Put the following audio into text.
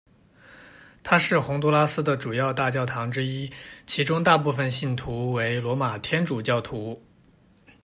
它是洪都拉斯的主要大教堂之一，其中大部分信徒为罗马天主教徒。